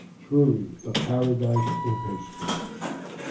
Truly a paradise in pastry!